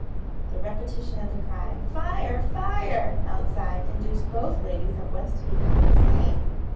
The repetition of the cry, "Fire! fire!" outside, induced both ladies at once to become insane.